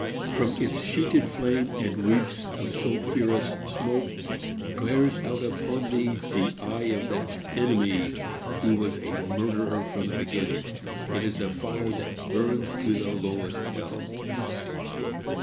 From its sheeted flame and wreaths of sulphurous smoke glares out upon thee the eye of that ENEMY who was a murderer from the beginning. It is a fire that BURNS TO THE LOWEST HELL!